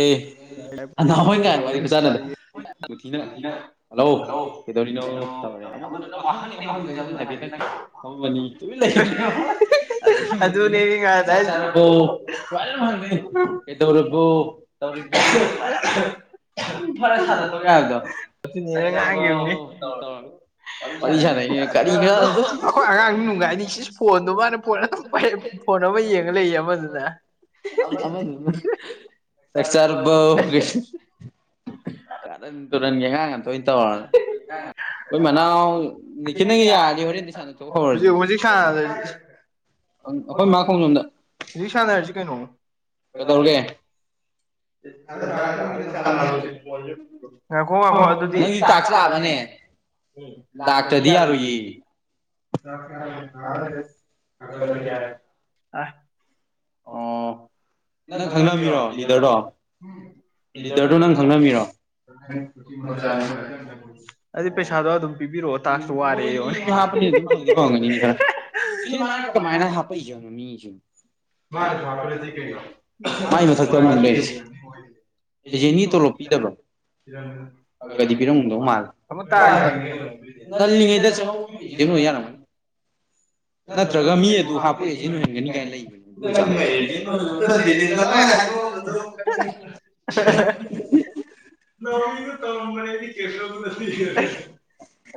ꯑꯦ ꯑꯣꯏ ꯀꯥꯏꯅ ꯋꯥꯔꯤ ꯐꯖꯥꯟꯅꯗ ꯍꯜꯂꯣ ꯀꯩꯗꯧꯔꯤꯅꯣ ꯇꯧꯔꯦ ꯑꯃꯗ ꯅꯪ ꯋꯥꯍꯪꯅꯦ ꯋꯥꯍꯪꯗꯨ ꯍꯥꯏꯐꯦꯠꯇꯪ ꯑꯗꯨꯅꯦ ꯉꯁꯥꯏ ꯆꯁ ꯇꯔꯕꯨ ꯑꯗꯨꯝ [inaudible] ꯐꯔ ꯆꯗ ꯀ ꯁꯥꯟꯅꯊꯣꯛ ꯌꯥꯕꯗꯣ ꯆꯥꯛ ꯆꯥꯔꯕꯣ ꯑꯩꯈꯣꯏ ꯇꯧꯔꯒ ꯋꯥꯔꯤ ꯁꯥꯟꯅꯩꯅꯦ ꯀꯔꯤ ꯈꯔꯗꯣ ꯑꯉꯥꯡ ꯅꯨꯡꯉꯥꯏꯅꯤ ꯁꯤ ꯐꯣꯟꯗꯣ ꯃꯥꯅ ꯐꯣꯟ ꯑꯗꯨꯝ ꯄꯩ ꯐꯣꯟ ꯑꯃ ꯌꯦꯡꯉ ꯂꯩꯌꯦ ꯑꯃꯗꯨꯅ ꯑ ꯂꯆꯔ ꯀꯩ ꯀꯔ ꯇ ꯅꯪ ꯌꯦꯉꯒ ꯊꯣꯏꯅ ꯇꯧꯔ ꯑꯩꯣꯏ ꯃꯅꯥꯎ ꯅꯤꯡꯈꯤꯠꯅꯪꯉ ꯌꯥꯔꯗꯤ ꯍꯣꯔꯦꯟꯗꯤ ꯁꯥꯟꯅ ꯊꯣꯛ ꯍꯧꯔꯁꯤꯅꯦ [inaudible] ꯍꯧ ꯑꯩꯈꯣꯏ ꯃꯥ ꯈꯣꯡꯖꯣꯝꯗ ꯁꯥꯟꯅ ꯍꯥꯏꯔꯤꯁꯤ ꯀꯩꯅꯣ ꯀꯩꯗꯧꯔꯒꯦ ꯑꯈꯣ ꯋꯥꯈꯣ ꯑꯗꯨꯗꯤ ꯅꯪꯒꯤ ꯇꯥꯛꯁ ꯂꯥꯛꯑꯕꯅꯦ ꯂ ꯀꯗꯤ ꯂꯥꯛꯇ꯭ꯔꯗꯤ ꯌꯥ ꯌꯥꯔꯣꯏꯌꯦ [unintelligible] ꯑꯣ ꯅꯪ ꯈꯪꯅꯝꯃꯤꯔꯣ ꯂꯤꯗꯔꯗꯣ ꯂꯤꯗꯔꯗꯨꯣ ꯅꯪ ꯈꯪꯅꯃꯤꯔꯣ ꯑꯗꯨꯗꯤ ꯄꯩꯁꯥꯗꯣ ꯑꯗꯨꯝ ꯄꯤꯕꯤꯔꯛꯑꯣ ꯇꯥꯛꯁꯨ ꯎꯝ ꯋꯥꯔꯦ ꯃꯣꯏꯗꯤ ꯃꯤ ꯃꯤ ꯌꯦꯡꯉꯣꯟꯅꯦ ꯍꯥꯞꯄꯅꯤꯅ ꯑꯗꯨꯝ ꯐꯪꯗꯤ ꯐꯪꯒꯅꯤꯅꯤ ꯈꯔ ꯁꯤꯗ ꯃꯥꯅ ꯀꯃꯥꯏꯅ ꯍꯥꯞꯄꯛꯏꯁꯅꯣ ꯃꯤꯁꯤꯡ ꯀ ꯅ ꯊ ꯑꯦꯖꯦꯅꯤ ꯇꯣꯂꯣꯞ ꯄꯤꯗꯕ꯭ꯔꯣ ꯐꯒꯗꯤ ꯄꯤꯔꯝꯗꯣ ꯃꯥꯜ ꯑꯃ ꯇꯥꯛꯁ ꯉꯜꯂꯤꯉꯩꯗ ꯆꯪꯍꯧꯕ ꯀꯩꯅ ꯌꯥꯔꯝꯒꯅꯤ ꯅꯠꯇ꯭ꯔꯒ ꯃꯤ ꯑꯗꯨ ꯍꯥꯞꯄ ꯑꯦꯁ ꯅ ꯑꯣꯏꯍꯟꯒꯅꯤ ꯀꯥꯏꯅ ꯂꯩꯕꯅꯤꯅ ꯍꯥꯏ [unintelligible] ꯅꯧꯃꯤꯅ ꯇ ꯃꯅꯦꯗꯤ ꯀꯦꯇꯂꯕꯨ ꯅ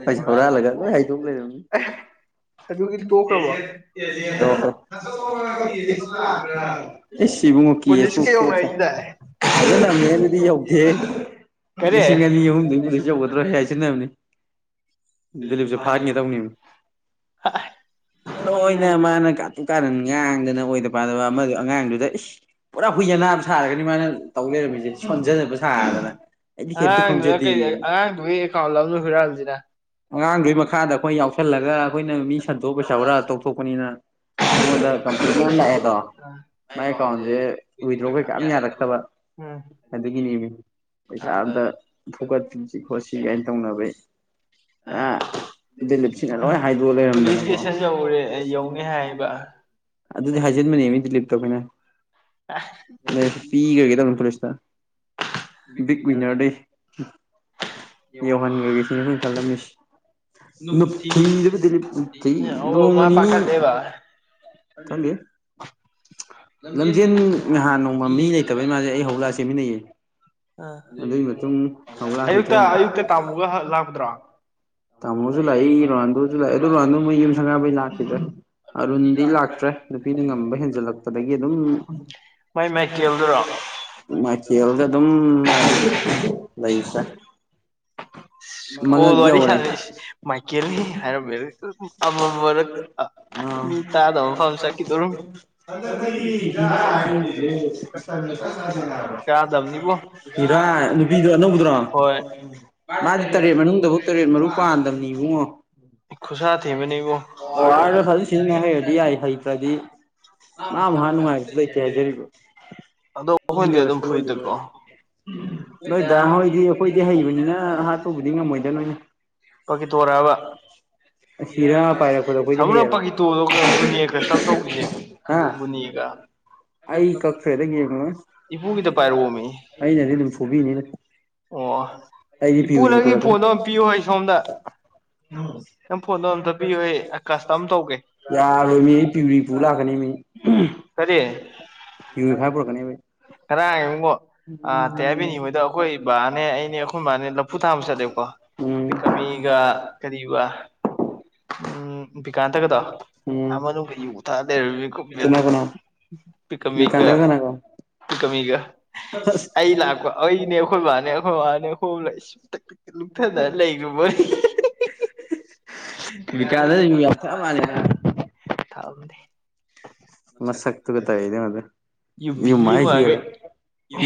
ꯍꯣꯏ ꯆꯧꯔꯥ ꯂꯒ ꯂ ꯍꯥꯏꯗꯨ ꯂꯩꯔꯅꯤ ꯑꯗꯨꯒꯤ ꯇꯣꯛꯈ꯭ꯔꯕꯣ ꯑꯣ ꯍ ꯑꯦ ꯁꯤꯕꯨꯨꯡꯉ ꯀꯕꯨ ꯄꯨꯂꯤꯁꯀ ꯌꯧꯅꯔꯤꯗꯥꯏ ꯍꯥꯏꯒꯂꯝꯃꯦ ꯑꯗꯨꯗꯤ ꯌꯧ ꯦ ꯀꯔꯤ ꯂꯤꯁꯤꯡ ꯑꯅꯤ ꯑꯍꯨꯝꯗꯕꯨꯗꯤ ꯌꯧꯒꯗ꯭ꯔꯣ ꯍꯥꯏꯁꯤꯕꯅꯤ ꯗꯂꯤꯞꯁꯦ ꯐꯥꯔꯉ ꯇꯧꯅꯤ ꯂꯣꯏꯅ ꯃꯥꯅ ꯀꯥ ꯀꯥꯔꯟ ꯉꯥꯡꯗꯅꯕ ꯑꯉꯥꯡꯗꯨꯗ ꯄꯨꯔꯥ ꯀꯨꯏꯖꯅꯥ ꯁꯥꯔꯒꯅꯤ ꯃꯥꯅ ꯇꯧ ꯂꯩꯔꯝꯃꯤꯁꯦ ꯁꯣꯟꯖ ꯑꯉꯥꯡꯗꯨꯅ ꯀꯩ ꯀꯗꯤ ꯑꯉꯥꯡꯗꯨꯒꯤ ꯑꯦꯀꯥꯎꯟ ꯂꯕꯅꯦ ꯍꯨꯔꯥꯜꯂꯤꯁꯤꯅ ꯈꯖꯗꯤ ꯑꯉꯥꯡꯗꯨꯒꯤ ꯃꯈꯥꯗ ꯑꯩꯈꯣꯏ ꯌꯥꯎꯁꯜꯂꯒ ꯑꯩꯈꯣꯏꯅ ꯃꯤ ꯁꯟꯗꯣꯛꯑ ꯄꯩꯁꯥ ꯈꯔꯥ ꯇꯧꯊꯣꯛꯄꯅꯤꯅ ꯍꯗ ꯀꯝ꯭ꯂ ꯂꯥꯛꯑꯦꯗꯣ ꯃꯥꯏ ꯑꯦꯀꯥꯎꯟꯁꯦ ꯋꯤꯗ꯭ꯔꯣ ꯀꯩꯀꯌꯥꯝ ꯌꯥꯔꯛꯇꯕ ꯎꯝ ꯑꯗꯨꯒꯤꯅꯦꯃꯤ ꯄꯩꯁꯥ ꯑꯝꯇ ꯊꯣꯛꯀꯁꯤ ꯈꯣꯠꯁꯤ ꯀꯥꯏꯅ ꯇꯧꯅꯕꯩ ꯑ ꯗꯤꯂꯤꯞꯁꯤꯅ ꯂꯣꯏ ꯍꯥꯏꯗꯣꯛꯑ ꯄꯨꯂꯤꯁ ꯂꯩꯔꯝꯗꯅꯀꯣ ꯏꯁꯇꯦꯁꯟ ꯌꯧꯔꯦ ꯌꯧꯅꯤ ꯍꯥꯏꯕ ꯑꯗꯨꯗꯤ ꯍꯥꯏꯖꯤꯟꯕꯅꯦ ꯃꯤ ꯂꯤꯞꯇ ꯑꯩꯈꯣꯏꯅ ꯅ ꯄꯤꯒꯒꯦꯗ ꯄꯨꯂꯤꯁꯇ ꯕꯤꯖꯔꯗꯦ ꯏ ꯋꯥꯈꯥꯟꯒꯒꯁꯤ ꯁ ꯆꯔꯂꯝ ꯃꯤꯁ ꯅꯨꯅꯨꯡꯊꯤꯗꯞ ꯅꯨꯊꯤ ꯑꯣ ꯅꯣꯡꯃ ꯅꯤꯅꯤ ꯦ ꯈꯪꯗꯦ ꯂꯝꯖꯦꯟ ꯅꯍꯥꯟ ꯅꯣꯡꯃ ꯃꯤ ꯂꯩꯇꯕꯩ ꯃꯥꯁꯦ ꯑꯩ ꯍꯧꯂꯛꯑ ꯆꯦꯃꯤꯟꯅꯩꯌꯦ ꯑꯗꯨꯏ ꯃꯇꯨꯡ ꯍꯧꯂꯛꯈꯤꯗꯦ ꯑꯌꯨꯛꯇ ꯑꯌꯨꯛꯇ ꯇꯥꯃꯨꯒ ꯂꯥꯛꯄꯗ꯭ꯔꯣ ꯇꯥꯃꯣꯁꯨ ꯂꯥꯛꯏ ꯔꯣꯍꯥꯟꯗꯨꯁꯨ ꯂꯥꯛꯏꯦ ꯑꯗꯨ ꯔꯣꯍꯥꯟꯗꯨ ꯃ ꯌꯨꯝ ꯁꯪꯉꯕꯩ ꯂꯥꯛꯈꯤꯗ꯭ꯔꯦ ꯑꯔꯨꯟꯗꯤ ꯂꯥꯛ ꯆꯠꯇ꯭ꯔꯦ ꯅꯨꯄꯤꯅ ꯉꯝꯕ ꯍꯦꯟꯖꯜꯂꯛꯄꯗꯒꯤ ꯑꯗꯨꯝ ꯃꯥꯏ ꯃꯥꯏꯀꯦꯜꯗꯨꯔꯣ ꯃꯥꯏꯆꯦꯜꯗ ꯑꯗꯨꯝ ꯎꯝ ꯃꯥꯗꯤ ꯁ [unintelligible] ꯀꯣꯜ ꯋꯥꯔꯤ ꯁꯥꯟꯅꯩ ꯃꯥꯏꯀꯦꯜꯅꯤ ꯍꯥꯏꯔꯝꯃꯦ ꯃꯔ ꯑꯥ ꯃꯤ ꯇꯥꯗ ꯑꯃꯐꯝ ꯁꯥꯀꯤꯗꯧꯔ ꯍ ꯀꯌꯥꯅꯤꯕꯨꯣ ꯏꯔꯥ ꯅꯨꯄꯤꯗꯣ ꯑꯅꯧꯕꯗꯨꯔꯣ ꯍꯣꯏ ꯃꯥꯗꯤ ꯇꯔꯦꯠ ꯃꯅꯨꯡꯗꯐꯧ ꯇꯔꯦꯠ ꯃꯔꯨ ꯄꯥꯟꯗꯝꯕꯅꯤ ꯏꯕꯨꯡꯉꯣ ꯈꯨꯠꯁꯥ ꯊꯤꯕꯅꯤꯕꯣ ꯑꯣꯔꯗ ꯐꯖ ꯁꯤꯖꯤꯟꯅ ꯍꯩꯔꯗꯤ ꯌꯥꯏ ꯍꯩꯇ꯭ꯔꯗꯤ ꯃꯥ ꯑꯃꯨ ꯍꯥꯟ ꯅꯨꯡꯉꯥꯏꯕꯗꯨ ꯑꯩꯇꯦ ꯍꯥꯏꯖꯔꯤꯕ ꯑꯗꯣ ꯑꯩꯈꯣꯏꯅꯗꯤ ꯏꯅꯕ ꯑꯗꯨꯝ ꯁꯣꯜꯂꯤꯕ ꯐꯨꯏꯗꯀꯣ ꯅꯣꯏꯗ ꯍꯣꯏꯗꯤ ꯑꯩꯈꯣꯏꯗꯤ ꯍꯩꯕꯅꯤꯅ ꯍꯥꯠꯇꯨꯕꯨꯗꯤ ꯉꯝꯃꯣꯏꯗ ꯅꯣꯏꯅ ꯄꯀꯤꯇꯣꯔꯥꯕ ꯍꯤꯔꯥ ꯄꯥꯏꯔꯛꯄꯗꯣ ꯑꯩꯈꯣꯏꯗꯤ ꯁꯃꯨꯅ ꯍꯩꯌꯦꯔꯣ ꯄꯥꯀꯤꯇꯣꯗꯨꯒ ꯒꯨꯅꯦꯒ ꯆꯞ ꯇꯧꯈꯤꯁꯦꯃꯤ ꯑ ꯒꯨꯅꯦꯒ ꯑꯩ ꯀꯛꯁꯗ ꯌꯦ ꯏꯄꯨꯒꯤꯗ ꯄꯥꯏꯔꯛꯑꯣꯃꯤ ꯑꯩꯅꯦ ꯑꯗꯨ ꯐꯣꯕꯤꯅꯤꯅ ꯑꯣ ꯑꯩꯗꯤ ꯏꯄꯨ ꯄꯤꯔꯤ ꯅꯪꯒꯤ ꯄꯗꯥ ꯐꯣꯟꯗꯣ ꯑꯝ ꯄꯤꯌꯨ ꯑꯩ ꯁꯣꯝꯗ ꯅꯪ ꯐꯣꯟꯗ ꯑꯝꯇꯕꯤꯌꯣ ꯀꯁꯇꯃ ꯇꯧꯒꯦ ꯄꯌꯨꯔꯤꯄꯨ ꯂꯥꯛꯀꯅꯤ ꯃꯤ ꯄꯌꯎꯔꯤꯐꯥꯏ ꯄꯨꯔꯛꯅꯤ ꯃꯤ ꯉꯔꯥꯡꯉꯣ ꯑꯥ ꯇꯩ ꯑꯩ ꯍꯥꯏꯕꯤꯅꯤ ꯃꯣꯏꯗ ꯑꯩꯈꯣꯏ ꯕꯥꯅꯦ ꯑꯩꯅꯦ ꯑꯩꯈꯣꯏ ꯏꯕꯥꯅꯦ ꯂꯐꯨ ꯊꯥꯕ ꯆꯠꯂꯦꯕꯀꯣ ꯎꯝ ꯄꯤꯀꯃꯤꯒ ꯀꯔꯤꯒ ꯎꯝ ꯤꯀꯥꯟꯇꯒꯗꯣ ꯎꯝ ꯑꯩ ꯎ ꯊꯥꯗꯦꯔꯃꯤ ꯀꯅꯥ ꯀꯅꯦꯗ ꯀꯅꯥ [unintelligible] ꯀꯃꯤꯒꯥ ꯑꯁ ꯑꯩ ꯂꯥꯛꯄ ꯑꯩꯅꯦ ꯑꯩꯈꯣꯏ ꯏꯕꯥꯅꯦ ꯑꯩꯈꯣꯏ ꯏ ꯃꯥꯕꯥꯅꯦ ꯍꯣꯝꯂ ꯑꯩ ꯁꯨꯝ ꯇꯛ ꯇꯛ ꯂꯨꯞꯊꯗꯅ ꯂꯩꯈ꯭ꯔꯕ ꯃꯣꯏ ꯀꯥꯁ ꯃꯊꯥ ꯃꯥꯅꯤꯗ ꯊꯝꯗꯦ ꯃꯁ ꯁ ꯇꯒꯠꯇ ꯏ ꯃꯗ ꯌꯨꯕꯤ ꯏ ꯌꯦꯡꯉꯨꯔꯒ ꯃꯥꯥꯏꯁꯤꯤꯂ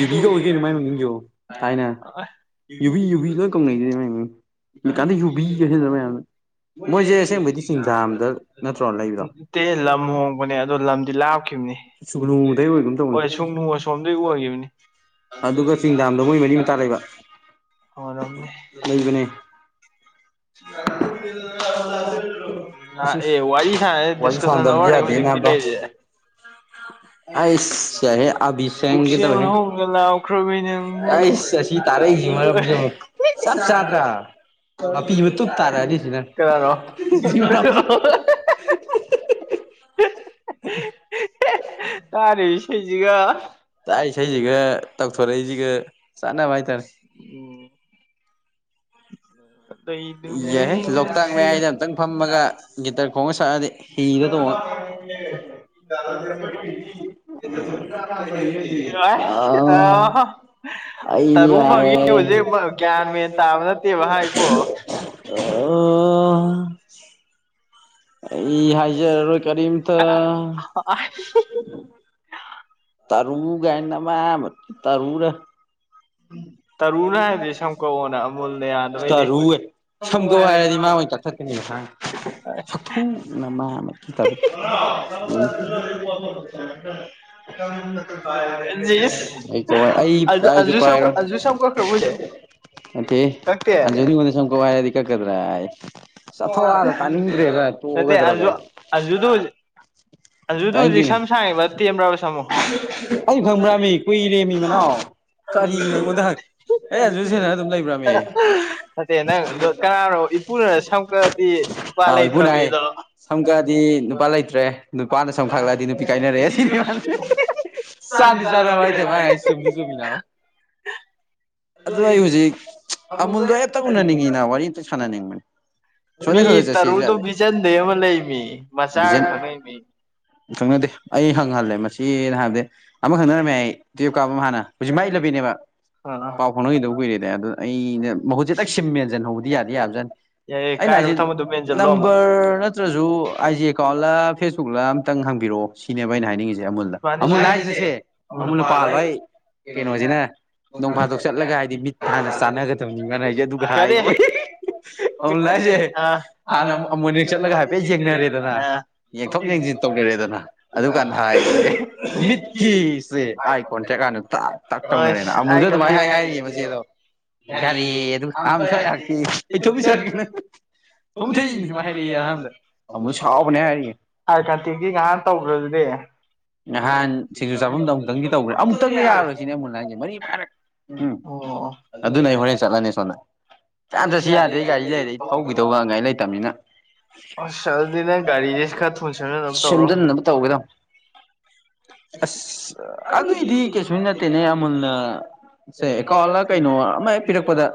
ꯌꯨꯕꯤꯒ ꯑꯣꯏ ꯀꯩꯅꯣ ꯃꯥꯏ ꯃꯃꯤꯡꯒꯤꯣ ꯊꯥꯏꯅ ꯌꯨꯕꯤ ꯌꯨꯕꯤ ꯂꯣꯏ ꯀꯧꯅꯩꯁꯤꯦꯀꯥꯟꯗ ꯌꯨꯕꯤꯒꯁꯤꯗ ꯃꯌꯥꯝꯅ ꯃꯣꯏꯁꯦ ꯑꯁꯦꯡꯕꯩꯗꯤ ꯆꯤꯡꯖꯥꯝꯗ ꯅꯠꯇ꯭ꯔꯣ ꯂꯩꯕꯗꯣ ꯅꯠꯇꯦ ꯂꯝ ꯍꯣꯡꯕꯅꯦ ꯑꯗꯣ ꯂꯝꯗꯤ ꯂꯥꯞꯈꯤꯕꯅꯤ ꯁꯨꯒꯂꯨꯗꯩ ꯑꯣꯏꯒꯨꯝ ꯇꯧꯅꯤ ꯍꯣꯏ ꯁꯨꯡꯅꯨ ꯑꯁꯣꯝꯗꯩ ꯑꯣꯏꯈꯤꯕꯅꯤ ꯑꯗꯨꯒ ꯆꯤꯡꯗꯥꯝꯗꯣ ꯃꯣꯏ ꯃꯔꯤꯝ ꯇꯥ ꯂꯩꯕ ꯑꯣ ꯑꯅꯤ ꯑ ꯑꯁ ꯑꯦ ꯋꯥꯏꯁ ꯋꯥꯔꯤ ꯗꯤꯁꯀꯁꯟ ꯁꯥꯟꯗꯕꯗꯤ ꯑꯋꯥꯔꯅꯦ ꯁ ꯍꯥꯖ‌ꯦ ꯑꯥꯁ ꯌꯥꯏꯍꯦ ꯆꯦꯟꯒꯦ ꯇꯕ ꯄꯨꯛꯆꯦꯜ ꯍꯧꯅ ꯂꯥꯎꯈ꯭ꯔꯕꯤ ꯅꯪꯕꯨ ꯑꯥꯏꯁ ꯑꯁꯤ ꯇꯥꯔꯩꯁꯤ ꯃꯔꯝ ꯇꯥꯔꯤꯕ ꯁꯥꯞ ꯁꯥꯇ꯭ꯔꯥ ꯁꯤ ꯃꯅꯥꯎꯁꯤ ꯗꯣ [unintelligible] ꯇꯥꯔꯦꯁꯤꯒ ꯇꯥꯛꯏ ꯏꯁꯩꯁꯤꯒ ꯇꯧꯊꯣꯔꯛꯏꯁꯤꯒ ꯆꯥꯟꯅꯕ ꯍꯥꯏꯇꯥꯔꯦ ꯎꯝ ꯂꯩꯗꯨꯔꯦ ꯌꯥꯏꯍꯦ ꯂꯣꯛꯇꯥꯛ ꯉꯁꯤ ꯃꯌꯥꯏꯗ ꯑꯝꯇꯪ ꯐꯝꯃꯒ ꯒꯤꯇꯔ ꯈꯣꯡꯉ ꯁꯛꯑꯗꯤ ꯍꯤꯗ ꯇꯣꯡꯉ [unintelligible] ꯑ ꯑꯁ ꯑ ꯑꯩꯗꯤ ꯇꯔꯨ ꯐꯪꯉꯤ ꯇꯔꯦ ꯍꯧꯖꯤꯛ ꯒ꯭ꯌꯥꯟ ꯃꯦꯟ ꯇꯥꯕ ꯅꯠꯇꯦꯕ ꯍꯥꯏꯀꯣ ꯑꯣ ꯏ ꯍꯥꯏꯖꯔꯣꯏ ꯀꯔꯤꯝꯇ ꯇꯔꯨ ꯀꯥꯏꯅ ꯃ ꯇꯔꯨꯨꯔ ꯇꯔꯨꯅ ꯍꯥꯏꯕꯗꯤ ꯁꯝꯀꯛꯑꯣꯅ ꯑꯃꯨꯜꯅ ꯌꯥꯗꯕꯩꯅꯦ ꯇꯔꯨ ꯁꯝꯒꯧ ꯍꯥꯏꯔꯗꯤ ꯃꯥꯣꯏ ꯑꯣꯏꯅ ꯀꯛꯊꯠꯀꯅꯤꯛꯊꯅ ꯏꯁ ꯇꯕ ꯎ ꯑꯩ ꯀ ꯑꯟꯖꯨ ꯑꯩ ꯑꯟꯖꯨ ꯁꯝ ꯄꯔꯣ ꯑꯟꯖꯨ ꯁꯝ ꯀꯛꯈ꯭ꯔꯕꯣ ꯍꯧꯖꯤꯛ ꯑꯣꯀꯦ ꯀꯛꯇꯦ ꯑ ꯁꯗꯤ ꯀꯛ ꯀ ꯆꯠꯊꯣꯛ ꯑꯗ ꯇꯥꯅꯤꯡꯗ꯭ꯔꯦꯕ ꯅꯠꯇꯦ ꯇꯣꯛꯒꯗ꯭ꯔꯒ ꯑꯟꯖꯨ ꯑꯟꯖꯨꯗꯨ ꯑꯟꯖꯨꯗꯨ ꯍꯧꯖꯤꯛ ꯀꯗꯅꯦ ꯁꯝ ꯁꯥꯡꯉꯤꯕ ꯇꯦꯟꯕ꯭ꯔꯕ ꯁꯝꯃꯣ ꯑꯩ ꯐꯪꯕ꯭ꯔꯥꯃꯤ ꯀꯨꯏꯔꯦꯃꯤ ꯃꯅꯥꯎ ꯀꯔꯤꯅꯣ ꯑꯩꯉꯣꯟꯗ ꯑꯦ ꯑꯗꯨ ꯁꯟꯅ ꯑꯗꯨꯝ ꯂꯩꯕ ꯐꯠꯇꯦ ꯅꯪ ꯀꯅꯥꯅꯣ ꯏꯄꯨꯅ ꯁꯪ ꯗꯤ ꯑꯥꯎ ꯊꯨꯄꯥꯂꯥꯏꯇ꯭ꯔ ꯏꯄꯨꯅ ꯍꯥꯏ ꯃꯗꯣ ꯁꯝ ꯈꯛꯑꯗꯤ ꯅꯨꯄꯥ ꯂꯩꯇ꯭ꯔꯦ ꯅꯨꯄꯥꯅ ꯁꯝꯈꯠꯂꯛꯑꯗꯤ ꯅꯨꯄꯤ ꯀꯥꯏꯅꯔꯦ ꯑꯁꯤꯅꯤ ꯃꯥ ꯆꯥꯟꯅꯤ ꯆꯥꯟꯗ ꯏꯗꯤ ꯃꯥꯅ ꯍꯥꯏ ꯆꯖꯃꯤꯅꯥ ꯑꯗꯨ ꯑꯩ ꯍꯧꯖꯤꯛ ꯑꯃꯨꯜꯗꯣ ꯑꯝꯇ ꯎꯅꯅꯤꯡꯉꯤꯅ ꯋꯥꯔꯤ ꯑꯝꯇ ꯁꯥꯟꯅꯅꯤꯡꯕꯅꯤ ꯃꯤ ꯇꯔꯨꯗꯣ ꯤꯖꯟꯗꯩ ꯑꯃ ꯂꯩꯃꯤ ꯃꯆꯥꯒ ꯈꯪꯅꯩ ꯃꯤ ꯁꯪꯅꯗꯦ ꯑꯩ ꯈꯪꯍꯜꯂꯦ ꯃꯁꯤꯅ ꯍꯥꯏꯕꯗꯤ ꯑꯃ ꯈꯪꯅꯔꯝꯃꯦ ꯑꯩ ꯀꯥ ꯍꯥꯟꯅ ꯍꯧꯖꯤꯛ ꯍꯥꯏꯅꯦꯕ ꯑꯥ ꯄꯥꯎ ꯐꯥꯎꯅꯈꯤꯗꯧꯕ ꯀꯨꯏꯔꯦꯗ ꯑꯗꯣ ꯑꯩꯅ ꯍꯧꯖꯤꯦꯛꯇꯛ ꯁꯤꯝ ꯃꯦꯟꯁꯤꯟ ꯍꯧꯕꯗꯤ ꯌꯥꯗꯦ ꯌꯥꯕꯖꯅꯤ ꯌꯥꯏꯌꯦ ꯑꯩꯅ ꯍꯥꯏꯁꯦ ꯀꯥꯏꯔꯕ ꯊꯝꯃꯣ ꯑꯗꯨ ꯃꯦꯟꯖꯜꯂꯣ ꯑꯃꯨꯛ ꯅꯝꯕꯔ ꯅꯠꯇ꯭ꯔꯁꯨ ꯑꯥꯏ ꯖꯤ ꯑꯦꯀꯥꯎꯟꯂ ꯐꯦꯁꯕꯨꯛꯂ ꯈꯤꯇꯪ ꯍꯪꯕꯤꯔꯛꯑꯣ ꯁꯤꯅꯦꯕ ꯑꯩꯅ ꯍꯥꯏꯅꯤꯡꯉꯤꯁꯦ ꯑꯃꯨꯜꯗ ꯑꯃꯨꯜ ꯍꯥꯏꯔꯤꯁꯤꯅꯁꯦ ꯍꯥꯏꯁꯦ ꯑꯃ ꯑꯃꯨꯜꯅ ꯄꯥꯜꯂꯣ ꯄꯥꯜꯂꯣꯏ ꯑꯩ ꯖꯤꯅ ꯅꯣꯡꯐꯥꯗꯣꯛ ꯆꯠꯂꯒ ꯍꯥꯏꯗꯤ ꯃꯤꯠ ꯍꯥꯟꯅ ꯆꯥꯟꯅꯒꯗꯕꯅꯤ ꯃꯥꯅ ꯍꯥꯏꯁꯦ ꯑꯗꯨꯒ ꯀꯔꯤ ꯍꯥꯏꯉꯣꯏ ꯑꯃꯨ ꯂꯏꯁꯦ ꯑꯥ ꯍꯥꯟꯅ ꯑꯃ ꯆꯠꯂꯒ ꯍꯥꯏꯐꯦꯠ ꯌꯦꯡꯅꯔꯦꯗꯅ ꯌꯦꯡꯊꯣꯛ ꯌꯦꯡꯁꯤꯟ ꯇꯧꯤꯔꯦꯗꯅ ꯑꯗꯨꯀꯥꯟꯗ ꯍꯥꯏꯁꯦ ꯃꯤꯠꯀꯤꯁꯦ ꯑꯩꯥꯏ ꯀꯣꯟ ꯆꯦꯛꯀꯥꯟꯗ ꯇ ꯇꯥꯛ ꯇꯧꯅꯔꯦꯅ ꯑꯃꯨꯜꯁꯨ ꯑꯥꯏ ꯑꯗꯨꯃꯥꯏ ꯀꯟꯇꯦꯛ ꯍꯥꯏ ꯍꯥꯏꯔꯤꯌꯦ ꯃꯆꯦꯗꯣ ꯌꯥꯔꯦ ꯑꯗꯨ ꯑꯝ ꯁꯋꯥꯏ ꯌꯥꯥꯛꯇ ꯑꯩ ꯆꯄꯤꯁꯔꯅ ꯊꯣꯡ ꯊꯩꯅꯤ ꯁꯃ ꯍꯥꯏꯔꯛꯏꯦ ꯑꯍꯥꯟꯕꯗ ꯑꯃꯨꯅ ꯁꯥꯎꯕꯅꯦ ꯍꯥꯏꯔꯛꯑꯦ ꯑꯥꯏ ꯀꯟꯇꯦꯛꯀꯤ ꯉꯍꯥꯟ ꯇꯧꯈ꯭ꯔꯗꯨꯗꯤ ꯅꯍꯥꯟ ꯁꯤꯡꯖꯨ ꯆꯥꯐꯝꯗꯣ ꯑꯃꯨꯛꯇꯪꯗꯤ ꯇꯧꯕꯈ꯭ꯔꯥ ꯑꯃꯨꯛꯇꯪꯗꯤ ꯌꯥꯔꯣꯏꯁꯤ ꯁꯤꯅ ꯃꯨꯟ ꯍꯥꯏꯁꯦ ꯃꯔꯤ ꯃꯉꯥꯏꯔꯛ ꯎꯝ ꯑꯣ ꯑꯗꯨꯅ ꯑꯩ ꯍꯣꯔꯦꯟ ꯆꯠꯂꯅꯤ ꯁꯣꯅ ꯌꯥꯝ ꯆꯠꯁꯤ ꯌꯥꯗꯦ ꯒꯥꯔꯤ ꯂꯩꯔ ꯑꯩ ꯊꯧꯒꯤꯗꯧꯒꯉꯥꯏ ꯂꯩꯇꯕꯅꯤꯅ ꯑꯁ ꯑꯗꯨꯗꯤ ꯅꯪ ꯒꯥꯔꯤꯁꯦ ꯈꯔ ꯊꯨꯅ ꯁꯦꯝꯖꯤꯟꯅꯕ ꯁꯦꯝ ꯇꯧꯔꯣ ꯁꯦꯝꯖꯤꯕ ꯇꯧꯒꯗꯕ ꯑꯁ ꯑꯗꯨꯏꯗꯤ ꯀꯩꯁꯨ ꯅꯠꯇꯦ ꯇꯦꯅꯦ ꯑꯃꯨꯜꯅ ꯑꯦꯀꯥꯎꯜꯂ ꯀꯩꯅꯣ ꯑꯃꯦꯛ ꯄꯤꯔꯛꯄꯗ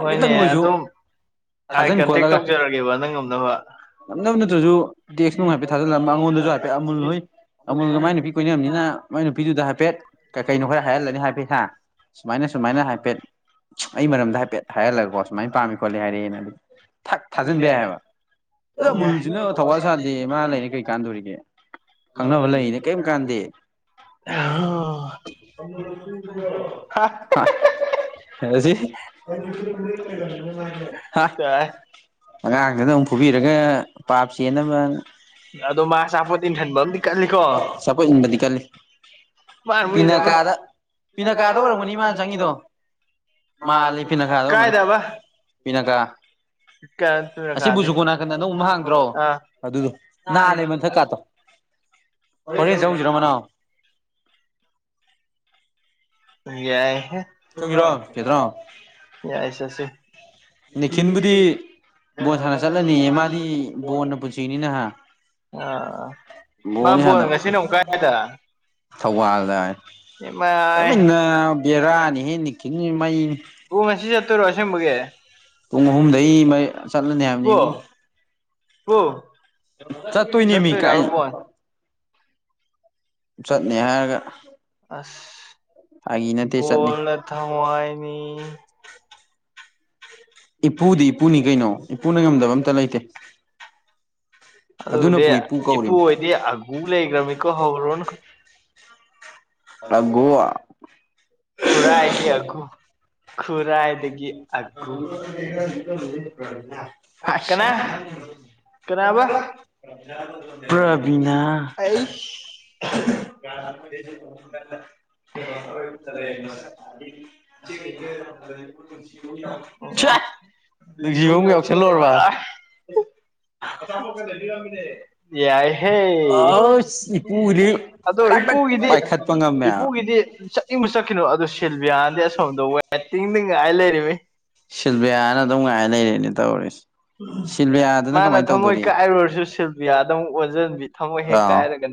ꯍꯣꯏꯅꯦ ꯑꯣꯏꯁꯨ ꯑꯗꯨꯝ ꯊꯥꯖꯤꯟ ꯀꯟꯇꯦꯛ ꯈꯣꯠꯂꯒ ꯇꯧꯖꯔꯒꯦꯕ ꯅꯪ ꯉꯝꯅꯕ ꯅꯝꯅꯕ ꯅꯠꯇ꯭ꯔꯁꯨ ꯇꯦꯛꯁꯅꯨꯡ ꯍꯥꯏꯐꯦꯠ ꯊꯥꯖꯤꯜꯂꯝꯕ ꯑꯩꯉꯣꯟꯗꯁꯨ ꯍꯥꯏꯐꯦꯠ ꯑꯃꯨꯜ ꯍꯣꯏ ꯑꯃꯣꯗ ꯃꯥꯏ ꯅꯨꯄꯤ ꯀꯣꯏꯅꯅꯕꯅꯤꯅ ꯃꯥꯏ ꯅꯨꯄꯤꯗꯨꯗ ꯍꯥꯏꯐꯦꯠ ꯀꯩ ꯀꯩꯅꯣ ꯈꯔ ꯍꯥꯏꯍꯜꯂꯅꯤ ꯍꯥꯏꯐꯦꯠ ꯍꯥꯏ ꯁꯨꯃꯥꯏꯅ ꯁꯨꯃꯥꯏꯅ ꯍꯥꯏꯐꯦꯠ ꯑꯩ ꯃꯔꯝꯗ ꯍꯥꯏꯐꯦꯠ ꯍꯥꯏꯍꯜꯂꯒꯀꯣ ꯁꯨꯃꯥꯏꯅ ꯄꯥꯝꯃꯤ ꯈꯣꯠꯂꯤ ꯍꯥꯏꯔꯛꯑꯦꯅ ꯑꯗꯨ ꯊꯛ ꯊꯥꯖꯤꯟꯕ ꯌꯥꯏ ꯍꯥꯏꯕ ꯑꯗ ꯑꯃꯨꯜꯁꯤꯅ ꯊꯧꯋꯥꯜ ꯁꯥꯗꯦ ꯃꯥ ꯂꯩꯔꯤ ꯀꯩ ꯀꯥꯟꯗꯣꯔꯤꯒꯦ ꯈꯪꯅꯕ ꯂꯩꯅꯦ ꯀꯩꯝ ꯀꯥꯟꯗꯦ [inaudible] ꯍ ꯁꯤ ꯍꯥ ꯑꯉꯥꯡꯗꯨꯗ ꯑꯃꯨꯛ ꯐꯨꯕꯤꯔꯒ ꯄꯥꯞ ꯆꯦꯅ ꯑꯃ ꯑꯗꯣ ꯃꯥ ꯑꯆꯥꯄꯣꯠ ꯏꯟꯍꯟꯕ ꯑꯃꯗꯤ ꯀꯜꯂꯤꯀꯣ ꯆꯄ ꯏꯟꯕꯗꯤ ꯀꯜꯂꯤ ꯃꯥꯅ ꯄꯤꯅꯀꯥꯗ ꯄꯤꯅꯀꯥꯗ ꯑꯣꯏꯔꯝꯒꯅꯤ ꯃꯥꯅ ꯆꯪꯉꯗꯣ ꯃꯥꯜꯂꯤ ꯐꯤꯅꯈꯥꯗꯣꯡꯣꯡꯒꯅꯤ ꯐꯤꯅꯈꯥ ꯏ ꯀꯅ ꯀꯥꯗꯦ ꯑꯃ ꯑ ꯍꯥꯡꯗ꯭ꯔꯣ ꯑꯗꯨꯗꯣ ꯅ ꯂꯩꯦ ꯃ ꯊꯀꯥꯇ ꯍ ꯊꯒ ꯌꯥꯏꯍꯦ ꯆꯧꯁꯤꯔꯣ ꯀꯦꯗ꯭ꯔꯣ ꯌꯥꯏꯁꯁꯦ ꯈꯤꯟꯕꯨꯗꯤ ꯕꯣꯟ ꯁꯥꯟꯅ ꯆꯠꯂꯅꯤ ꯃꯥꯗꯤ ꯕꯣꯟꯅ ꯄꯨꯟꯁꯤꯅꯤꯅꯍ ꯑꯥ ꯃꯥ ꯅꯤ ꯕꯣꯜ ꯍꯅ ꯉꯁꯤꯅ ꯑꯃꯨꯛ ꯀꯥꯏꯗ ꯊꯧꯕꯥꯜꯗꯅ ꯏꯃꯥꯏ ꯕꯦꯔꯥꯅꯤ ꯍꯦꯅꯤ ꯀꯈꯤ ꯃꯩ ꯍ ꯃꯁꯤ ꯆꯠꯇꯔꯁꯦ ꯃꯒꯦ ꯄꯨꯡ ꯑꯍꯨꯝꯗꯒꯤꯩ ꯆꯠꯂꯅꯤ ꯍꯥꯏꯕꯅꯤ ꯏꯕꯨ ꯀꯣ ꯆꯠꯇꯣꯏꯅꯦꯃꯤ ꯀꯥꯏ ꯆꯠꯇꯨꯔꯒ ꯀꯣꯟ ꯆꯠꯅꯤ ꯍꯥꯏꯔꯒ ꯐꯥꯒꯤ ꯅꯠꯇꯦ ꯆꯠꯅꯤ ꯀꯣꯜꯅ ꯊꯋꯥꯏꯅꯤ ꯏꯄꯨꯗꯤ ꯏꯄꯨꯅꯤ ꯀꯩꯅꯣ ꯏꯄꯨꯅ ꯉꯝꯗꯕ ꯑ ꯑꯃꯇ ꯂꯩꯇꯦ ꯑꯗꯨꯅ ꯑꯗꯨꯕꯨꯗꯤ ꯄꯨꯏ ꯄꯨꯨ ꯏꯄꯨ ꯀꯧꯔꯤꯝ [inaudible] ꯍꯣꯏꯗꯤ ꯑꯒꯨ ꯂꯩꯒ꯭ꯔꯝꯅꯤꯀꯣ ꯄꯨꯔꯥ ꯍꯥꯏ ꯀ ꯑꯒꯨ ꯈꯨꯔꯥꯏꯗꯒꯤ ꯑꯥꯒꯨ꯫ ꯀꯅꯥꯕ [unintelligible] ꯄ꯭ꯔꯕꯤꯅꯥ꯫ [unintelligible] ꯑꯩꯁ [unintelligible] [unintelligible] [unintelligible] [unintelligible] ꯌꯥꯏ ꯍꯦ꯫ ꯑꯁ ꯏꯄꯨꯒꯤꯗꯤ ꯑꯗꯣ ꯇꯛ ꯇꯛ ꯏꯄꯨꯒꯤꯗꯤ ꯄꯥꯏꯈꯠꯄ ꯉꯝꯃꯦ ꯏꯄꯨꯒꯤꯗꯤ ꯆꯠꯅꯤꯡꯕ ꯆꯠꯈꯤꯅꯣ ꯑꯗꯨ ꯁꯤꯜꯕꯤꯌꯥꯗꯤ ꯑꯁꯣꯝꯗ ꯑꯣꯏ꯫ ꯇꯤꯡꯗꯤ ꯉꯥꯏ ꯂꯩꯔꯤꯃꯤ꯫ ꯁꯤꯜꯚꯤꯌꯥꯅ ꯑꯗꯨꯝ ꯉꯥꯏꯅ ꯂꯩꯔꯦꯅꯦ ꯇꯧꯔꯤꯁꯦ ꯁꯤꯜꯚꯤꯌꯥꯗꯨꯅ ꯀꯃꯥꯏꯅ ꯫ ꯊꯝꯃꯣꯏ ꯀꯥꯏꯔꯨꯔꯁꯨ ꯁꯤꯜꯕꯤꯌꯥꯗ ꯑꯃꯨꯛ ꯑꯣꯟꯁꯤꯟꯕꯤ ꯊꯃꯣꯏ ꯍꯦꯛ ꯑꯥꯎ ꯀꯥꯏꯔꯒꯅ꯫